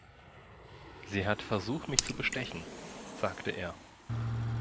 Sie hat versucht, mich zu bestechen, sagte er.